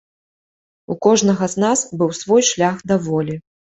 У кожнага з нас быў свой шлях да волі.